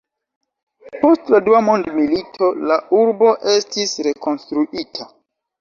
Post la dua mondmilito, la urbo estis rekonstruita.